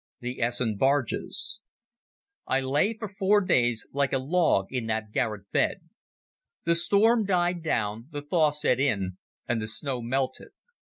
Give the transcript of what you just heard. The Essen Barges I lay for four days like a log in that garret bed. The storm died down, the thaw set in, and the snow melted.